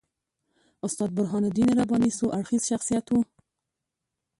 استاد برهان الدین رباني څو اړخیز شخصیت وو.